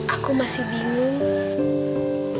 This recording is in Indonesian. aku masih bingung